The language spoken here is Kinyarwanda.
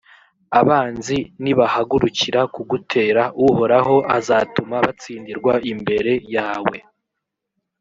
abanzi nibahagurukira kugutera, uhoraho azatuma batsindirwa imbere yawe